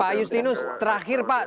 pak ayus linus terakhir pak